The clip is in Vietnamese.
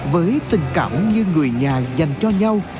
với tình cảm như người nhà dành cho nhau